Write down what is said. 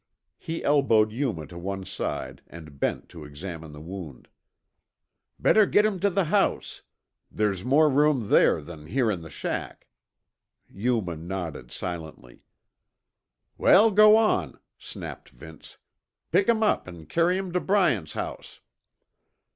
He elbowed Yuma to one side and bent to examine the wound. "Better git him tuh the house; there's more room there than here in the shack." Yuma nodded silently. "Well, go on," snapped Vince. "Pick him up an' carry him to Bryant's house."